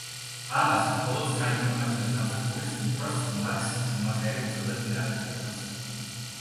ამას მხოლოდ საინფორმაციო სამსახურის უფროს მაქს შუმახერი უწევდა წინააღმდეგობას.